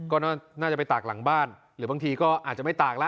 ก็น่าจะไปตากหลังบ้านหรือบางทีก็อาจจะไม่ตากแล้ว